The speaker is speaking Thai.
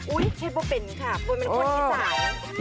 อุ๊ยชิบว่าเป็นค่ะคุณเป็นคนที่สาว